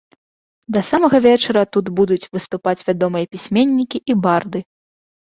Да самага вечара тут будуць выступаць вядомыя пісьменнікі і барды.